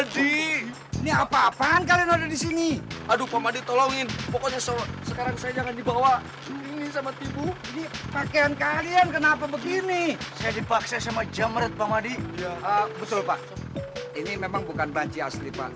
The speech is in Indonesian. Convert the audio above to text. tidak ada orang yang membunuh diri